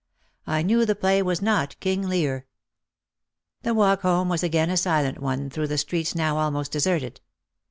I knew the play was not King Lear. The walk home was again a silent one through the streets now almost deserted.